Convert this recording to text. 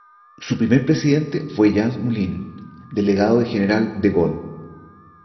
Su primer presidente fue Jean Moulin, delegado del General de Gaulle.